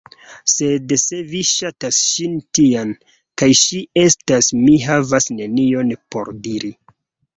Sed se vi ŝatas ŝin tian, kia ŝi estas, mi havas nenion por diri.